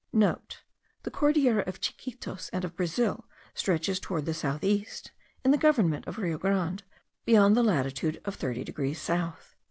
*(* The Cordillera of Chiquitos and of Brazil stretches toward the south east, in the government of the Rio Grande, beyond the latitude of 30 degrees south.)